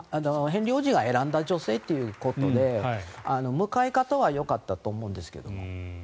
ヘンリー王子が選んだ女性ということで迎え方はよかったと思うんですけど。